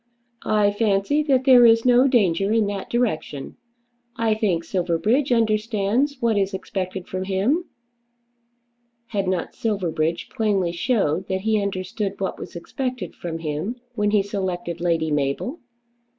"I fancy that there is no danger in that direction. I think Silverbridge understands what is expected from him." Had not Silverbridge plainly shown that he understood what was expected from him when he selected Lady Mabel?